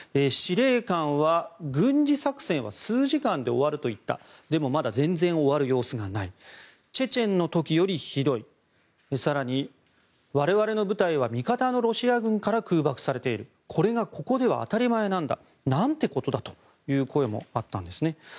司令官は軍事作戦は数時間で終わると言ったでも、まだ全然終わる様子がないチェチェンの時よりひどい更に、我々の部隊は味方のロシア軍から空爆されているこれがここでは当たり前なんだなんてことだという声もあったんですね。